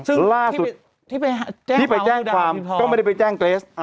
ซึ่งล่าสุดที่ไปแจ้งความก็ไม่ได้ไปแจ้งเกรส